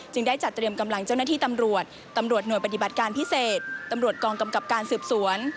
ได้จัดเตรียมกำลังเจ้าหน้าที่ตำรวจตำรวจหน่วยปฏิบัติการพิเศษตำรวจกองกำกับการสืบสวน